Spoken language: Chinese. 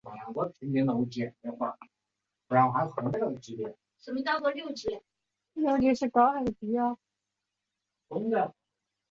梅明根占据巴伐利亚联赛历史积分榜的首位。